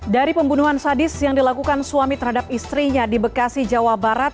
dari pembunuhan sadis yang dilakukan suami terhadap istrinya di bekasi jawa barat